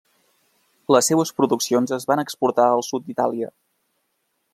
Les seues produccions es van exportar al sud d'Itàlia.